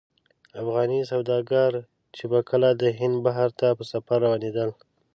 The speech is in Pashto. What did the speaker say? افغاني سوداګر چې به کله د هند بحر ته په سفر روانېدل.